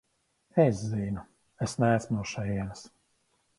Es zinu, es neesmu no šejienes.